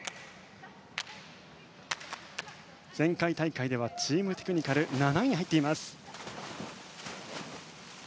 前回大会ではチームテクニカル７位に入っています。